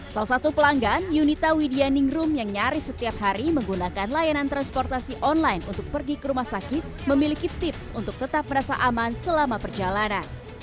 salah satu pelanggan yunita widya ningrum yang nyaris setiap hari menggunakan layanan transportasi online untuk pergi ke rumah sakit memiliki tips untuk tetap merasa aman selama perjalanan